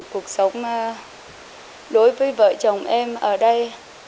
cuộc sống đối với vợ chồng em ở đây